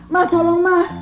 mah tolong mah